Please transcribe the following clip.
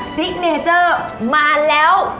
ซิกเนเจอร์มาแล้ว